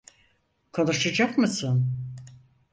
Konuşacak mısın?